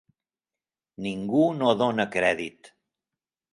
Ningú no dóna crèdit.